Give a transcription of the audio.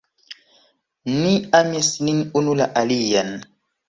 Ni amis nin unu la alian.